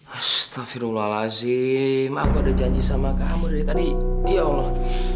astafirullah lazim aku ada janji sama kamu dari tadi ya allah